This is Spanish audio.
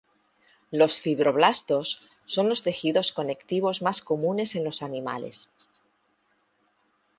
Los fibroblastos son los tejidos conectivos más comunes en los animales.